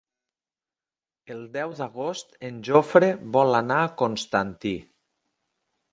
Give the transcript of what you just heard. El deu d'agost en Jofre vol anar a Constantí.